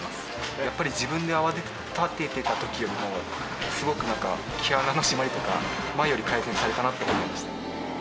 やっぱり自分で泡立ててた時よりもすごくなんか毛穴の締まりとか前より改善されたなと思いました。